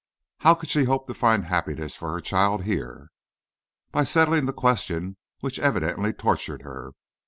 How could she hope to find happiness for her child here?" "By settling the question which evidently tortured her.